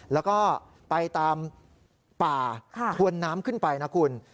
แล้วก็ไปตามป่าถวนน้ำขึ้นไปนะคุณ